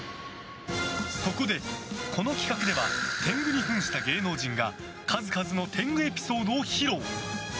そこで、この企画では天狗に扮した芸能人が数々の天狗エピソードを披露。